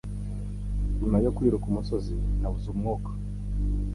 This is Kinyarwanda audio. Nyuma yo kwiruka umusozi nabuze umwuka